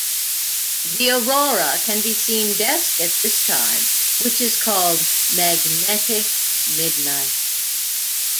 The aurora can be seen best at this time, which is called magnetic midnight.